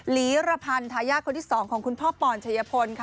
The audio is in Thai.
ลีระพันธ์ทายาทคนที่๒ของคุณพ่อปอนชัยพลค่ะ